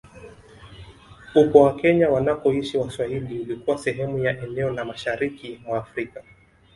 Upwa wa Kenya wanakoishi Waswahili ulikuwa sehemu ya eneo la mashariki mwa Afrika